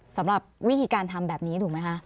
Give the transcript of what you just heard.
สำหรับวิธีการทำแบบนี้ถูกไหมคะ